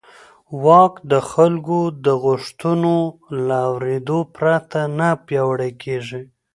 واک د خلکو د غوښتنو له اورېدو پرته نه پیاوړی کېږي.